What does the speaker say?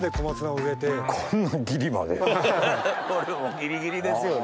ギリギリですよね。